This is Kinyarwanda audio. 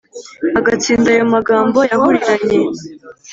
Agatsinda, ayo magambo yahuriranye